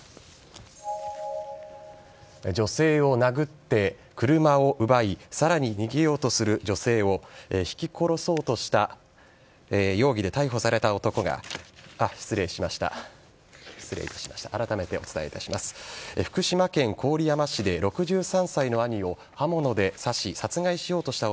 女性を殴って車を奪いさらに逃げようとする女性をひき殺そうとした容疑で逮捕された男が失礼いたしました。